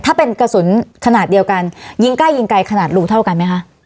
ถ้าเป็นกระสุนขนาดเดียวกันยิงใกล้ยิงไกลขนาดรูเท่ากันไหมคะ